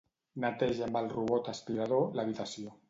Neteja amb el robot aspirador l'habitació.